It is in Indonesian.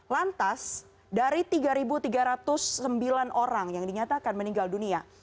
lantas dari tiga tiga ratus sembilan orang yang dinyatakan meninggal dunia